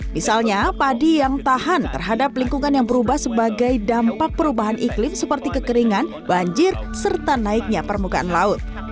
misalnya padi yang tahan terhadap lingkungan yang berubah sebagai dampak perubahan iklim seperti kekeringan banjir serta naiknya permukaan laut